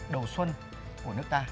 đầu xuân của nước ta